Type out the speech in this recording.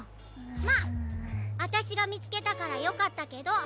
まああたしがみつけたからよかったけど。